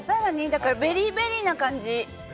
だからベリーベリーな感じ！